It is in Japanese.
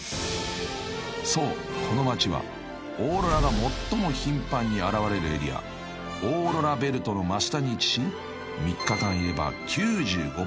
［そうこの街はオーロラが最も頻繁に現れるエリアオーロラベルトの真下に位置し］